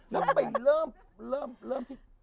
แล้วไปเริ่ม